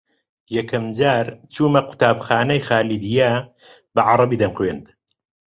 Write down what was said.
یەکەم جار چوومە قوتابخانەی خالیدیە بە عەرەبی دەمخوێند